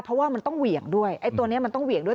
เพราะว่ามันต้องเหวี่ยงด้วยไอ้ตัวนี้มันต้องเหวี่ยงด้วย